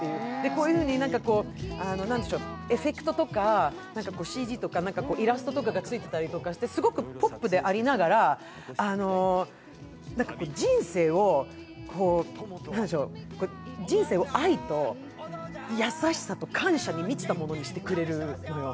こういうふうにエフェクトとかＣＧとかイラストとかがついてたりしてすごくポップでありながら、人生を愛と優しさと感謝に満ちたものにしてくれるのよ。